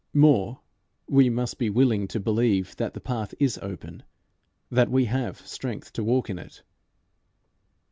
More, we must be willing to believe that the path is open, that we have strength to walk in it.